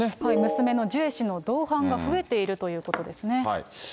娘のジュエ氏の同伴が増えているということですね。